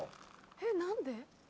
えっ何で？